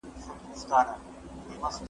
زه مخکي مړۍ پخه کړې وه